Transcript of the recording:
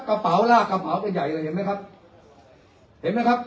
กระเป๋าลากกระเป๋ากันใหญ่เลยเห็นไหมครับเห็นไหมครับ